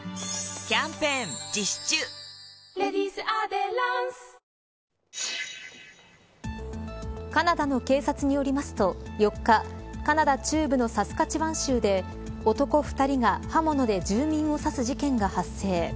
天達さんカナダの警察によりますと４日、カナダ中部のサスカチワン州で男２人が刃物で住民を刺す事件が発生。